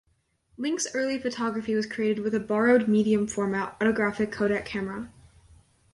Link's early photography was created with a borrowed medium format Autographic Kodak camera.